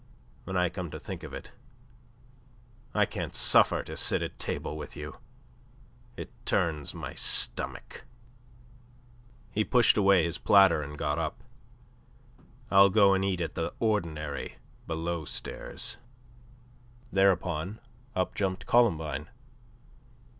When I come to think of it I can't suffer to sit at table with you. It turns my stomach." He pushed away his platter and got up. "I'll go and eat at the ordinary below stairs." Thereupon up jumped Columbine.